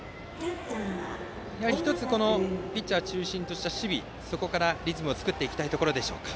１つ、ピッチャーを中心とした守備そこからリズムを作っていきたいところでしょうか。